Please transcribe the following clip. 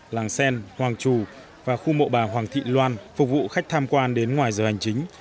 làng sen hoàng trù và khu mộ bà hoàng thị loan phục vụ khách tham quan đến ngoài giờ hành chính